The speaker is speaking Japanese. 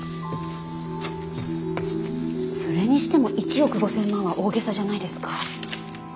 それにしても１億５，０００万は大げさじゃないですか？